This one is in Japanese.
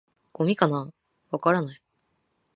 「ゴミかな？」「わからない」